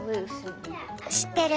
知ってる。